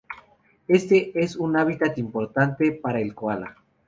Este es un hábitat importante para el koala.